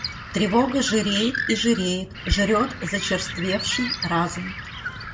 Тревога жиреет и жиреет, жрет зачерствевший разум.